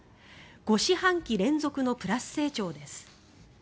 ５四半期連続のプラス成長です。